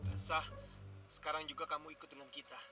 asah sekarang juga kamu ikut dengan kita